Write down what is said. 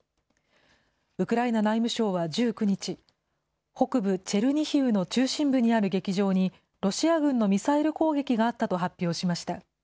ウクライナ内務省は１９日、北部チェルニヒウの中心部にある劇場にロシア軍のミサイル攻撃があったと発表しました。